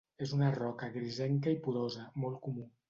És una roca grisenca i porosa, molt comú.